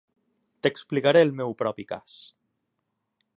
T"explicaré el meu propi cas.